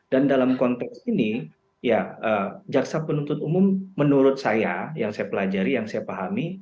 dalam konteks ini ya jaksa penuntut umum menurut saya yang saya pelajari yang saya pahami